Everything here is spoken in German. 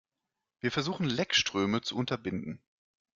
Wir versuchen, Leckströme zu unterbinden.